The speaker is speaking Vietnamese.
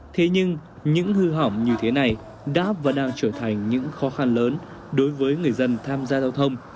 thế nhưng những hư hỏng như thế này đã và đang trở thành những khó khăn lớn đối với người dân tham gia giao thông